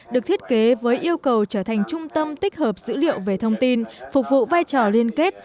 được thiết kế với yêu cầu trở thành trung tâm tích hợp dữ liệu về thông tin phục vụ vai trò liên kết